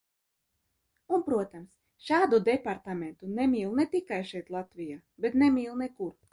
Un, protams, šādu departamentu nemīl ne tikai šeit Latvijā, bet nemīl nekur.